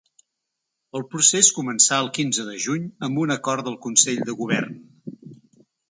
El procés començà el quinze de juny, amb un acord del consell de govern.